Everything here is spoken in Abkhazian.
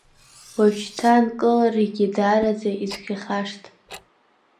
Уажәшьҭа аанкыларагьы даараӡа ицәгьахашт!